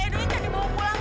edonya jadi bawa pulang